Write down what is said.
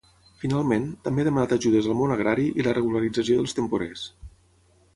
Finalment, també ha demanat ajudes al món agrari i la regularització dels temporers.